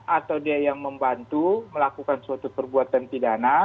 atau dia yang membantu melakukan suatu perbuatan pidana